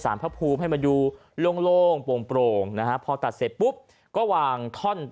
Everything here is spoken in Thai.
พระภูมิให้มาดูโล่งโปร่งนะฮะพอตัดเสร็จปุ๊บก็วางท่อน